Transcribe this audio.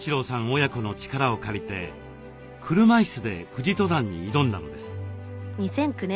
親子の力を借りて車いすで富士登山に挑んだのです。